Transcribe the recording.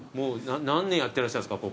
何年やってらっしゃるんですか？